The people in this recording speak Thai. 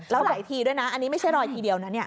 แล้วหลายทีด้วยนะอันนี้ไม่ใช่รอยทีเดียวนะเนี่ย